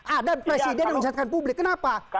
ada presiden yang menjelaskan publik kenapa